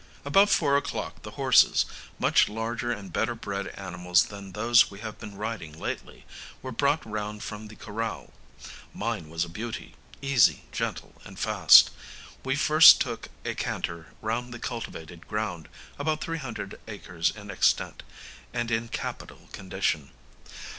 About four o'clock the horses much larger and better bred animals than those we have been riding lately were brought round from the corral. Mine was a beauty; easy, gentle, and fast. We first took a canter round the cultivated ground, about 300 acres in extent, and in capital condition.